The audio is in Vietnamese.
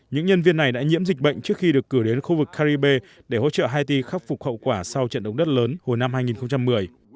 những nhân viên này đã nhiễm dịch bệnh trước khi được cử đến khu vực caribe để hỗ trợ haiti khắc phục hậu quả sau trận động đất lớn hồi năm hai nghìn một mươi